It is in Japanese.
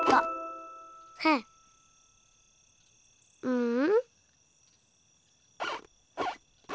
うん？